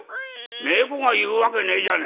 「猫が言うわけねえじゃねえか。